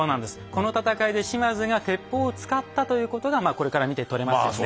この戦いで島津が鉄砲を使ったということがこれから見て取れますよね。